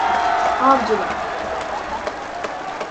Avcılar…